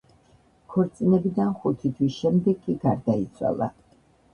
ქორწინებიდან ხუთი თვის შემდეგ კი გარდაიცვალა.